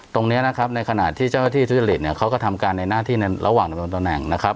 ตรงนี้นะครับในขณะที่เจ้าหน้าที่ทุจริตเนี่ยเขาก็ทำการในหน้าที่ในระหว่างดำรงตำแหน่งนะครับ